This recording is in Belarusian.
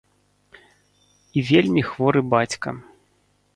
І вельмі хворы бацька.